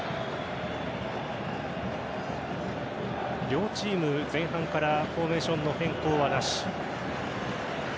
両チーム、前半からフォーメーションの変更はなし。